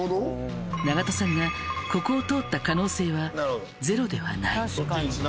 長門さんがここを通った可能性はゼロではない。